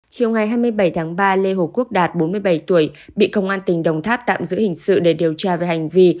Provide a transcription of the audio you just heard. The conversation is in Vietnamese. chiều ngày hai mươi bảy tháng ba lê hồ quốc đạt bốn mươi bảy tuổi bị công an tỉnh đồng tháp tạm giữ hình sự để điều tra về hành vi